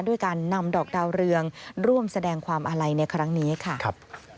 ด้วยการนำดอกดาวเรืองร่วมแสดงความอาลัยในครั้งนี้ค่ะครับ